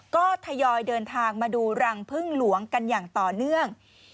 ก็ทยอยเดินทางมาดูรังพึ่งหลวงกันอย่างต่อเนื่อง